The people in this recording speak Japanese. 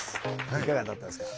いかがだったですか？